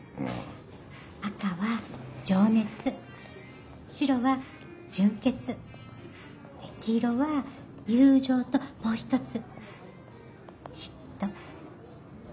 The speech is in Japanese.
赤は情熱白は純潔黄色は友情ともう一つ嫉妬嫉妬！